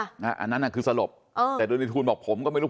อันนั้นน่ะคือสลบแต่โดยในทูลบอกผมก็ไม่รู้